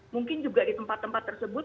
mungkin juga di tempat tempat tersebut